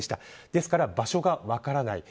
ですから、場所が分からない。